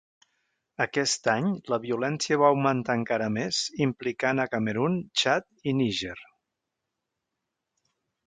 Aquest any la violència va augmentar encara més, implicant a Camerun, Txad i Níger.